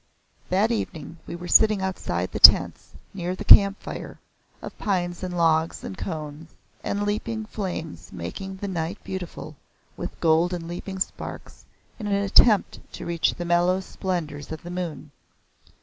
That evening we were sitting outside the tents, near the camp fire, of pine logs and cones, the leaping flames making the night beautiful with gold and leaping sparks, in an attempt to reach the mellow splendours of the moon.